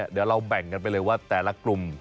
เดี๋ยวเราแบ่งกันไปเลยว่าแต่ละกลุ่ม